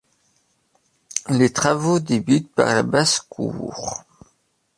Les travaux débutent par la basse cour.